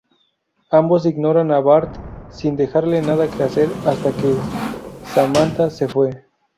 Ambos ignoran a Bart, sin dejarle nada que hacer hasta que Samantha se fue.